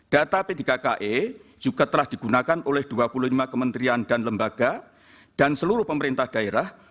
data p tiga ki juga telah digunakan oleh dua puluh lima kementerian dan lembaga dan seluruh pemerintah daerah